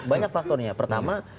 banyak faktornya pertama